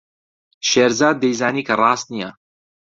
شێرزاد دەیزانی کە ڕاست نییە.